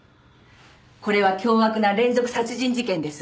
これは凶悪な連続殺人事件です。